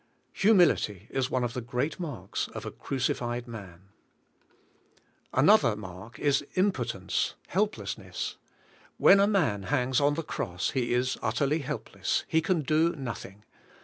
Humility is one of the 122 DEAD WITH CHRIST Another mark is impotence, helplessness. When a man hangs on the cross, he is utterly helpless, he can do nothing.